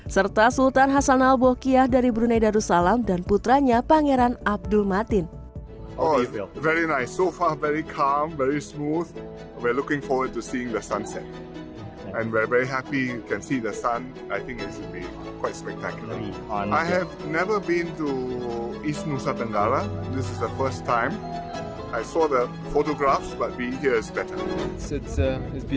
serta sultan hasan al bokiah dari brunei darussalam dan putranya pangyarabaya